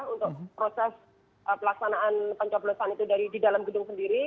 untuk proses pelaksanaan pencoblosan itu di dalam gedung sendiri